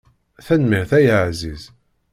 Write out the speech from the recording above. Tanemmirt ay aɛziz.